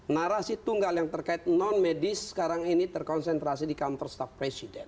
narasi tunggal yang terkait non medis sekarang ini terkonsentrasi di kantor staff presiden